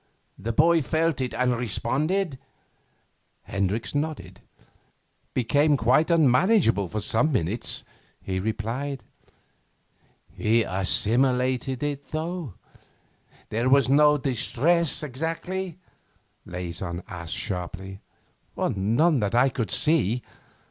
The boy felt it and responded?' Hendricks nodded. 'Became quite unmanageable for some minutes,' he replied. 'He assimilated it though? There was no distress exactly?' Leysin asked sharply. 'None that I could see.